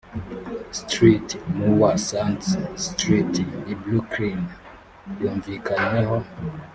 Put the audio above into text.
street n uwa sands street i brooklyn yumvikanyweho